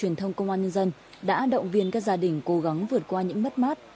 nhân dân đã động viên các gia đình cố gắng vượt qua những mất mát